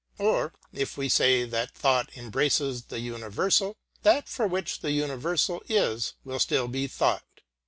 Or, if we say that thought embraces the universal, that for which the universal is will still be thought.